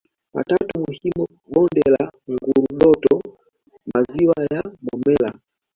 matatu muhimu bonde la Ngurdoto maziwa ya Momella